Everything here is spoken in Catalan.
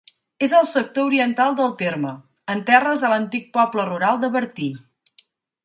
És al sector oriental del terme, en terres de l'antic poble rural de Bertí.